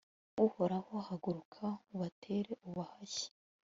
uhoraho, haguruka! ubatere, ubahashye